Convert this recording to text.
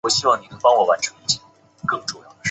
政和三年升润州置。